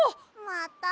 また？